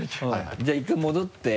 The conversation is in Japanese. じゃあ１回戻って。